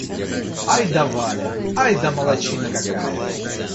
Ай да Валя! Ай да молодчина какая!